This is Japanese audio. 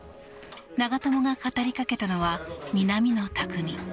長友が語りかけたのは南野拓実。